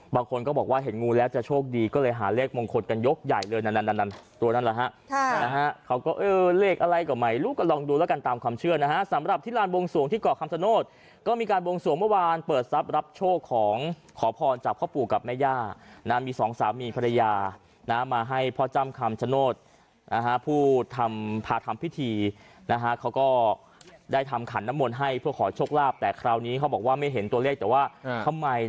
บางคนก็บอกว่าเห็นงูแล้วจะโชคดีก็เลยหาเลขมงคตกันยกใหญ่เลยนั้น